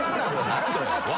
何やそれ。